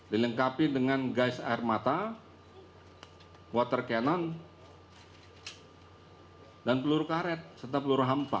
dilengkapi dengan guys air mata water cannon dan peluru karet serta peluru hampa